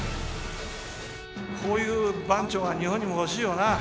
こういう番長が日本にも欲しいよな。